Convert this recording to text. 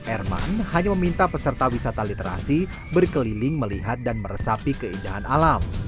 erman hanya meminta peserta wisata literasi berkeliling melihat dan meresapi keindahan alam